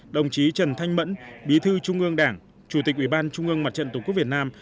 đồng chí trần thanh mẫn bí thư trung ương đảng chủ tịch ủy ban trung ương mặt trận tổ quốc việt nam